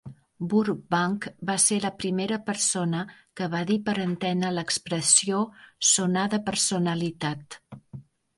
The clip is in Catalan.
Burbank va ser la primera persona que va dir per antena l'expressió "sonar de personalitat".